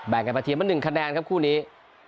แบ่งกันมาเทียมมาหนึ่งคะแนนครับคู่นี้